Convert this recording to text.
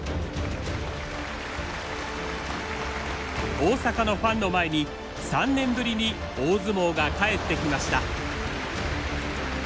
大阪のファンの前に３年ぶりに大相撲が帰ってきました。